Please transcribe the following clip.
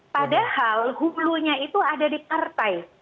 padahal hulunya itu ada di partai